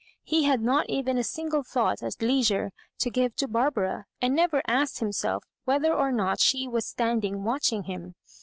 He had not even a single thought at leisure to give to Barbara, and never asked himself whether or not she was standing watching him.